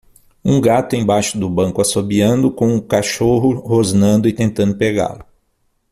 Um gato embaixo do banco assobiando com um cachorro rosnando e tentando pegá-lo.